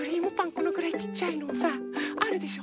このくらいちっちゃいのさあるでしょ。